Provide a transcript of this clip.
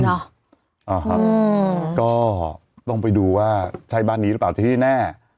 อ่าครับก็ต้องไปดูว่าใช่บ้านนี้หรือเปล่าที่แน่